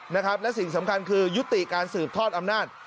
นะครับและสิ่งสำคัญคือยุติการสืบทอดอำนาจ